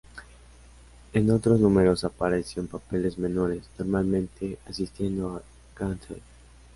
En otros números apareció en papeles menores, normalmente asistiendo a Ganthet.